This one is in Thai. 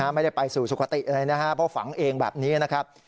ไม่ได้ไปสู่สุขติเลยนะครับเพราะฝังเองแบบนี้นะครับ